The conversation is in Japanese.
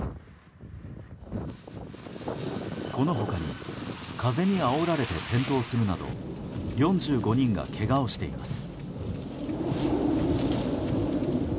この他に風にあおられて転倒するなど４５人がけがをしています。